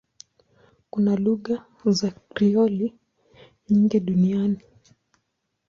Kuna lugha za Krioli nyingi duniani.